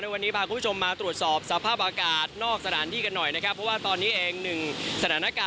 วันนี้พาคุณผู้ชมมาตรวจสอบสภาพอากาศ